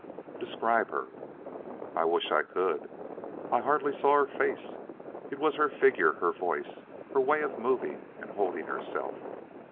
"Describe her." "I wish I could; I hardly saw her face; it was her figure, her voice, her way of moving and holding herself.